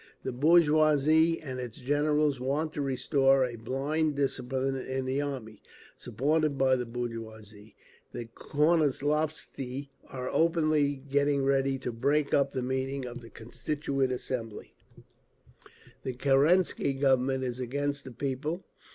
The bourgeoisie and its Generals want to restore a blind discipline in the army…. Supported by the bourgeoisie, the Kornilovtsi are openly getting ready to break up the meeting of the Constituent Assembly…. The Kerensky Government is against the people.